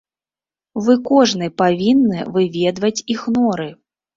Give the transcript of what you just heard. Вы кожны павінны выведваць іх норы!